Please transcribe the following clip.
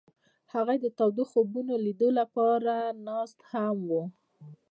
هغوی د تاوده خوبونو د لیدلو لپاره ناست هم وو.